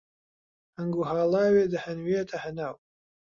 هەنگ و هاڵاوێ دەهەنوێتە هەناو